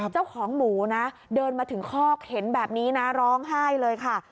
เจ้าของหมูนะเดินมาถึงคอกเห็นแบบนี้นะร้องไห้เลยค่ะ